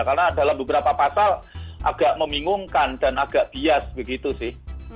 karena dalam beberapa pasal agak membingungkan dan agak bias begitu sih